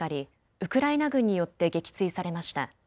ウクライナ軍によって撃墜されました。